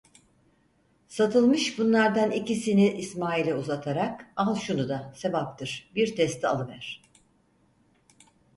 Satılmış bunlardan ikisini İsmail'e uzatarak: "Al şunu da, sevaptır, bir testi alıver".